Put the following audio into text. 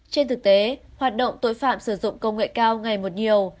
trên thực tế hoạt động tội phạm sử dụng công nghệ cao ngày một nhiều